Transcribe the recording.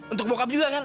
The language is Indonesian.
untuk bokap juga kan